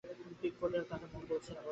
পিকফোর্ডের তাতে মন গলেছে কি না, বোঝা যায়নি।